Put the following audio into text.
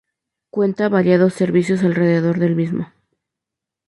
Cuenta variados servicios alrededor del mismo.